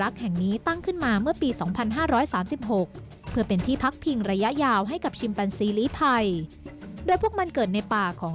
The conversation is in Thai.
ชิมแปนซีลิภัยด้วยพวกมันเกิดในป่าของ